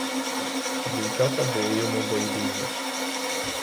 Дівчата були йому байдужі.